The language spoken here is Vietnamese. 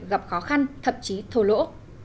gặp khó khăn thậm chí thô lỗ